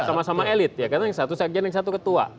sama sama elit ya karena yang satu sekjen yang satu ketua